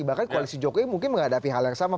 bahkan koalisi jokowi mungkin menghadapi hal yang sama